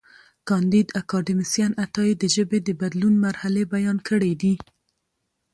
کانديد اکاډميسن عطايي د ژبې د بدلون مرحلې بیان کړې دي.